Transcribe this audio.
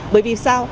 bởi vì sao